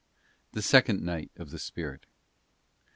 THE SECOND NIGHT . OF THE SPIRIT.